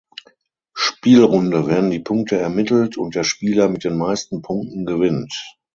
Spielrunde werden die Punkte ermittelt und der Spieler mit den meisten Punkten gewinnt.